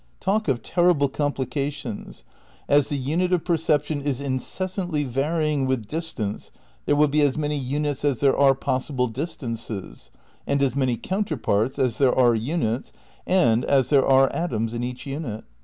Talk of terrible complications ! As the unit of per ception is incessantly varying with distance there will be as many imits as there are possible distances and as many counterparts as there are units, and as there are atoms in each unit.